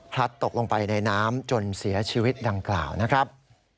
ตกลงไปในน้ำจนเสียชีวิตดังกล่าวนะครับ